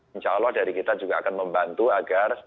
insya allah dari kita juga akan membantu agar